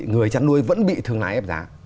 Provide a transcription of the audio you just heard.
người chăn nuôi vẫn bị thương lái ép giá